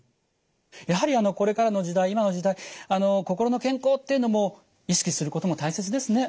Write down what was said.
やはりあのこれからの時代今の時代心の健康っていうのも意識することも大切ですね。